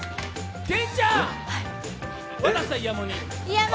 健ちゃん！